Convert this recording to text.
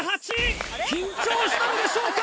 緊張したんでしょうか？